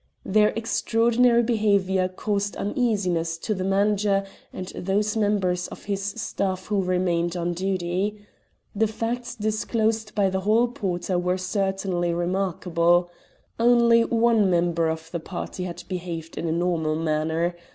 Their extraordinary behaviour caused uneasiness to the manager and those members of his staff who remained on duty. The facts disclosed by the hall porter were certainly remarkable. Only one member of the party had behaved in a normal manner.